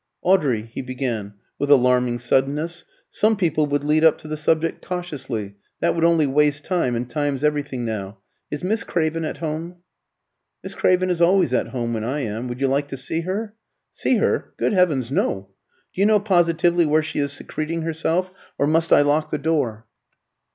"Audrey," he began, with alarming suddenness, "some people would lead up to the subject cautiously. That would only waste time, and time's everything now. Is Miss Craven at home?" "Miss Craven is always at home when I am. Would you like to see her?" "See her? Good heavens, no! Do you know positively where she is secreting herself, or must I lock the door?"